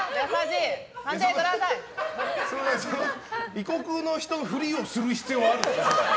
異国の人のふりをする必要はあるんですか？